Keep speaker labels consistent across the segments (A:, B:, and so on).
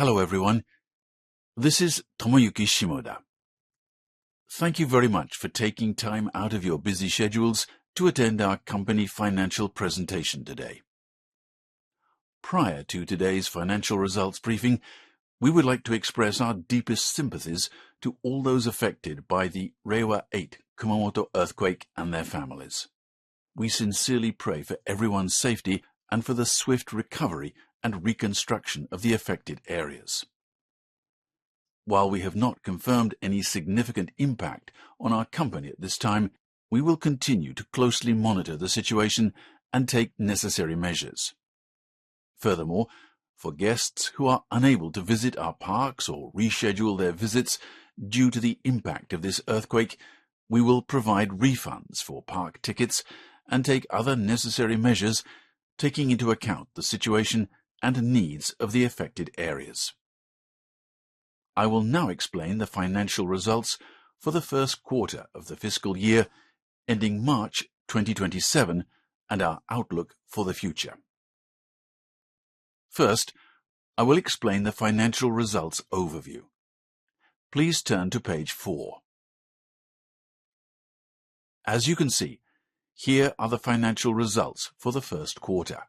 A: Hello, everyone. This is Tomoyuki Shimoda. Thank you very much for taking time out of your busy schedules to attend our company financial presentation today. Prior to today's financial results briefing, we would like to express our deepest sympathies to all those affected by the Reiwa 8 Kumamoto Earthquake and their families. We sincerely pray for everyone's safety and for the swift recovery and reconstruction of the affected areas. While we have not confirmed any significant impact on our company at this time, we will continue to closely monitor the situation and take necessary measures. Furthermore, for guests who are unable to visit our parks or reschedule their visits due to the impact of this earthquake, we will provide refunds for park tickets and take other necessary measures, taking into account the situation and needs of the affected areas. I will now explain the financial results for the first quarter of the fiscal year ending March 2027, and our outlook for the future. First, I will explain the financial results overview. Please turn to page four. As you can see, here are the financial results for the first quarter.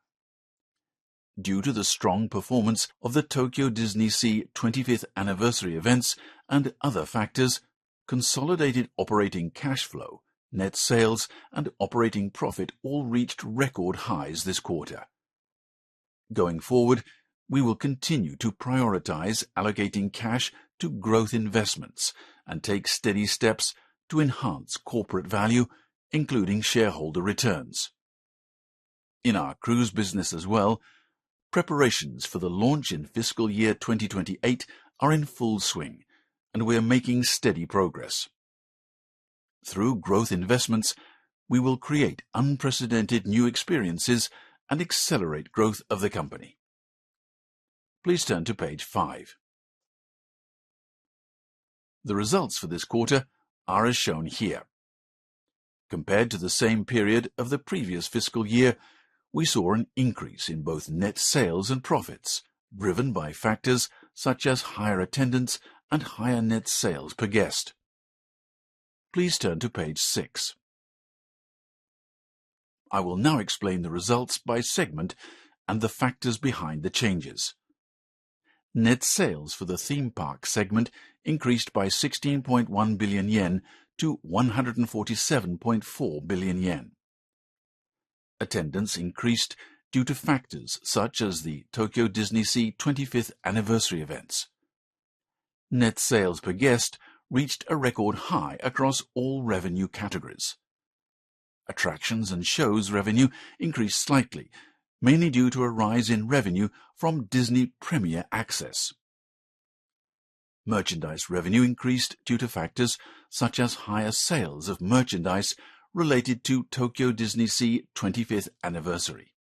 A: Due to the strong performance of the Tokyo DisneySea 25th anniversary events and other factors, consolidated operating cash flow, net sales, and operating profit all reached record highs this quarter. Going forward, we will continue to prioritize allocating cash to growth investments and take steady steps to enhance corporate value, including shareholder returns. In our cruise business as well, preparations for the launch in fiscal year 2028 are in full swing, and we are making steady progress. Through growth investments, we will create unprecedented new experiences and accelerate growth of the company. Please turn to page five. The results for this quarter are as shown here. Compared to the same period of the previous fiscal year, we saw an increase in both net sales and profits, driven by factors such as higher attendance and higher net sales per guest. Please turn to page six. I will now explain the results by segment and the factors behind the changes. Net sales for the theme park segment increased by 16.1 billion yen to 147.4 billion yen. Attendance increased due to factors such as the Tokyo DisneySea 25th anniversary events. Net sales per guest reached a record high across all revenue categories. Attractions and shows revenue increased slightly, mainly due to a rise in revenue from Disney Premier Access. Merchandise revenue increased due to factors such as higher sales of merchandise related to Tokyo DisneySea 25th anniversary.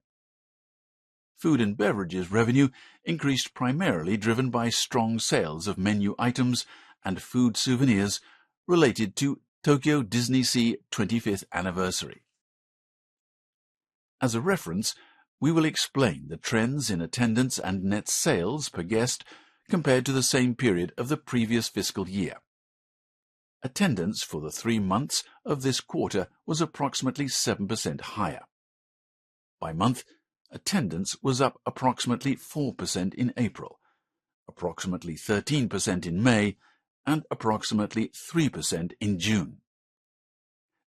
A: Food and beverages revenue increased primarily driven by strong sales of menu items and food souvenirs related to Tokyo DisneySea 25th anniversary. As a reference, we will explain the trends in attendance and net sales per guest compared to the same period of the previous fiscal year. Attendance for the three months of this quarter was approximately 7% higher. By month, attendance was up approximately 4% in April, approximately 13% in May, and approximately 3% in June.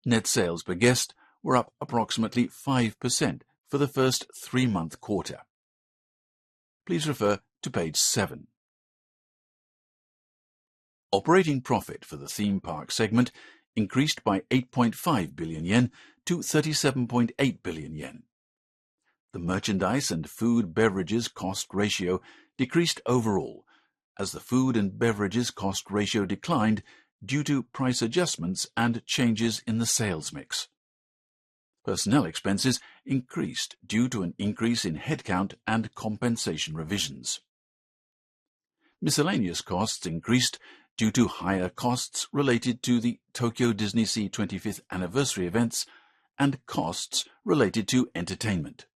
A: Net sales per guest were up approximately 5% for the first three-month quarter. Please refer to page seven. Operating profit for the theme park segment increased by 8.5 billion yen to 37.8 billion yen. The merchandise and food beverages cost ratio decreased overall as the food and beverages cost ratio declined due to price adjustments and changes in the sales mix. Personnel expenses increased due to an increase in headcount and compensation revisions. Miscellaneous costs increased due to higher costs related to the Tokyo DisneySea 25th anniversary events and costs related to entertainment.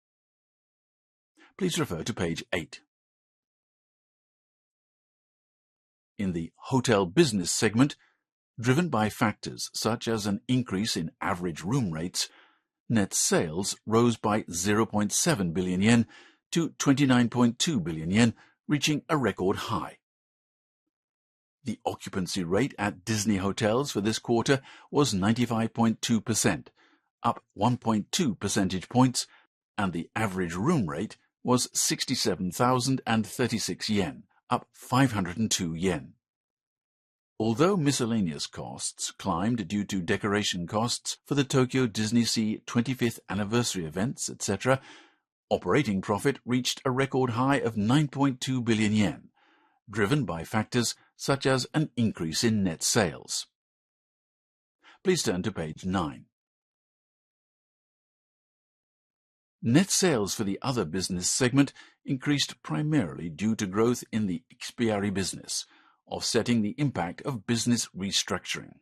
A: Please refer to page eight. In the hotel business segment, driven by factors such as an increase in average room rates, net sales rose by 0.7 billion yen to 29.2 billion yen, reaching a record high. The occupancy rate at Disney hotels for this quarter was 95.2%, up 1.2 percentage points, and the average room rate was 67,036 yen, up 502 yen. Although miscellaneous costs climbed due to decoration costs for the Tokyo DisneySea 25th anniversary events, et cetera, operating profit reached a record high of 9.2 billion yen, driven by factors such as an increase in net sales. Please turn to page nine. Net sales for the other business segment increased primarily due to growth in the experience business, offsetting the impact of business restructuring.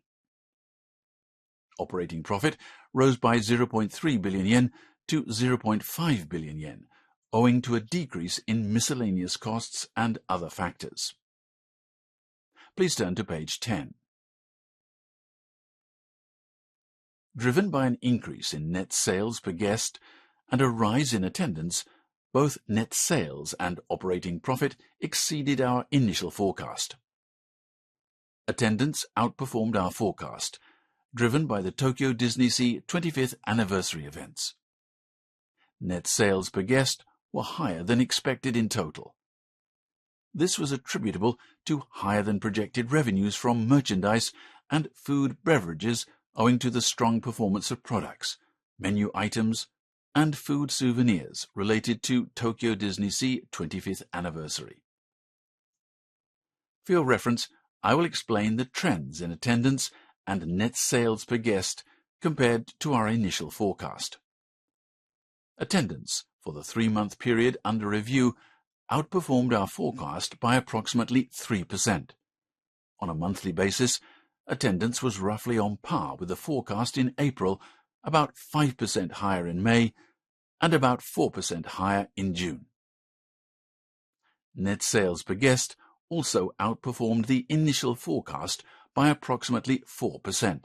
A: Operating profit rose by 0.3 billion yen to 0.5 billion yen, owing to a decrease in miscellaneous costs and other factors. Please turn to page 10. Driven by an increase in net sales per guest and a rise in attendance, both net sales and operating profit exceeded our initial forecast. Attendance outperformed our forecast, driven by the Tokyo DisneySea 25th anniversary events. Net sales per guest were higher than expected in total. This was attributable to higher than projected revenues from merchandise and food beverages, owing to the strong performance of products, menu items, and food souvenirs related to Tokyo DisneySea 25th anniversary. For your reference, I will explain the trends in attendance and net sales per guest compared to our initial forecast. Attendance for the three-month period under review outperformed our forecast by approximately 3%. On a monthly basis, attendance was roughly on par with the forecast in April, about 5% higher in May, and about 4% higher in June. Net sales per guest also outperformed the initial forecast by approximately 4%.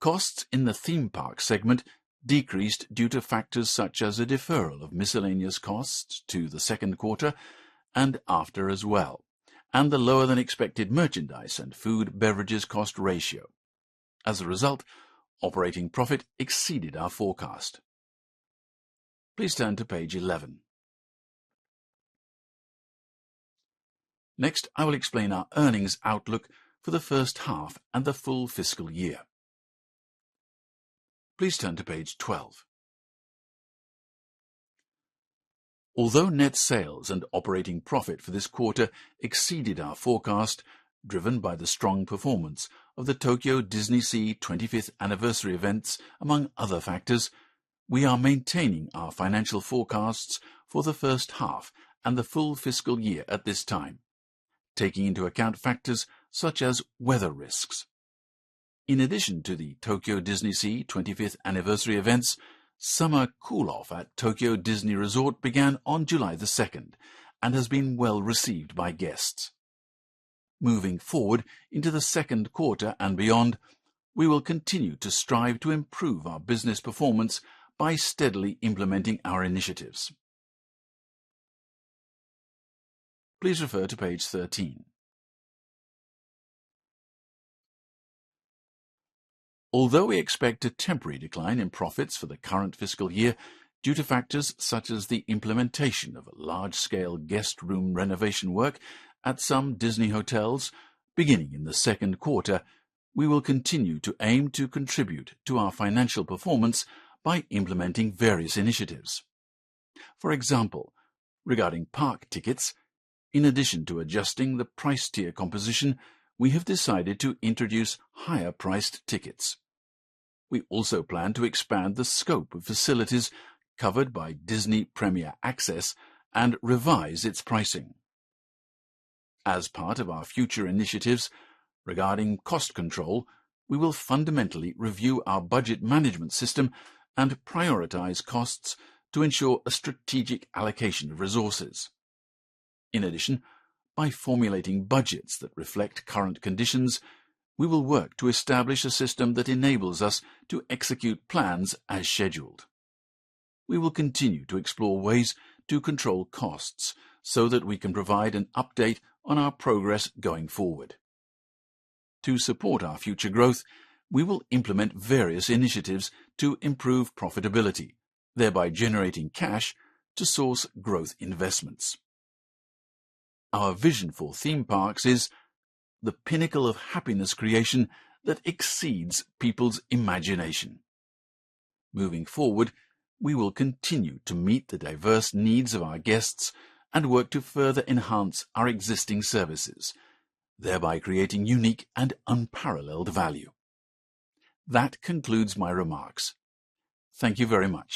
A: Costs in the theme park segment decreased due to factors such as a deferral of miscellaneous costs to the second quarter and after as well, and the lower than expected merchandise and food beverages cost ratio. As a result, operating profit exceeded our forecast. Please turn to page 11. Next, I will explain our earnings outlook for the first half and the full fiscal year. Please turn to page 12. Although net sales and operating profit for this quarter exceeded our forecast, driven by the strong performance of the Tokyo DisneySea 25th anniversary events, among other factors, we are maintaining our financial forecasts for the first half and the full fiscal year at this time, taking into account factors such as weather risks. In addition to the Tokyo DisneySea 25th anniversary events, Summer Cool-Off at Tokyo Disney Resort began on July the 2nd and has been well-received by guests. Moving forward into the second quarter and beyond, we will continue to strive to improve our business performance by steadily implementing our initiatives. Please refer to page 13. Although we expect a temporary decline in profits for the current fiscal year due to factors such as the implementation of a large-scale guest room renovation work at some Disney hotels beginning in the second quarter, we will continue to aim to contribute to our financial performance by implementing various initiatives. For example, regarding park tickets, in addition to adjusting the price tier composition, we have decided to introduce higher-priced tickets. We also plan to expand the scope of facilities covered by Disney Premier Access and revise its pricing. As part of our future initiatives regarding cost control, we will fundamentally review our budget management system and prioritize costs to ensure a strategic allocation of resources. In addition, by formulating budgets that reflect current conditions, we will work to establish a system that enables us to execute plans as scheduled. We will continue to explore ways to control costs so that we can provide an update on our progress going forward. To support our future growth, we will implement various initiatives to improve profitability, thereby generating cash to source growth investments. Our vision for theme parks is the pinnacle of happiness creation that exceeds people's imagination. Moving forward, we will continue to meet the diverse needs of our guests and work to further enhance our existing services, thereby creating unique and unparalleled value. That concludes my remarks. Thank you very much